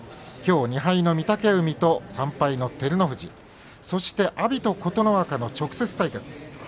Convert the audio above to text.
きょう２敗の御嶽海と３敗の照ノ富士そして阿炎と琴ノ若の直接対決。